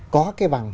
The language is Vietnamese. có cái bằng